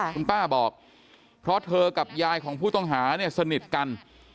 คุณป้าบอกเพราะเธอกับยายของผู้ต้องหาเนี่ยสนิทกัน